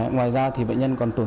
ngoài ra bệnh nhân còn tổn thương